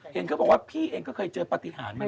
เห็นเขาบอกว่าพี่เองก็เคยเจอปฏิหารมา